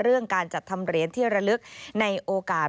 การจัดทำเหรียญที่ระลึกในโอกาส